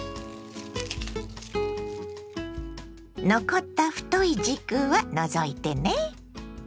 残った太い軸は除いてね。